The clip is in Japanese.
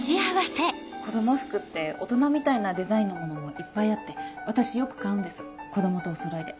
子供服って大人みたいなデザインのものもいっぱいあって私よく買うんです子供とおそろいで。